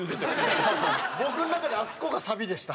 僕の中であそこがサビでした。